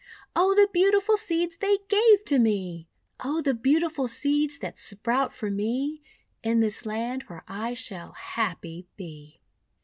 Oh, the beautiful Seeds they gave to me! Oh, the beautiful Seeds that sprout for me In this Land where I shall happy be!"